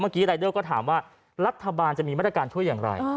เมื่อกี้ไลเดิ้ลก็ถามว่ารัฐบาลจะมีแม่นการช่วยอย่างไร